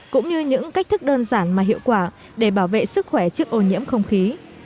cũng như những cách thức đơn giản mà hiệu quả để bảo vệ sức khỏe trước ô nhiễm không khí